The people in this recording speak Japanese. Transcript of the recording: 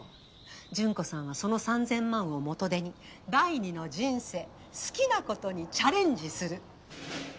順子さんはその３，０００万を元手に第二の人生好きなことにチャレンジする。